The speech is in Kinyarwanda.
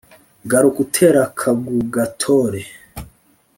Garuk'uter'akag'ugatore